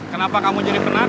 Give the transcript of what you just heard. kenapa kamu jadi penasaran